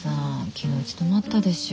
昨日うち泊まったでしょ。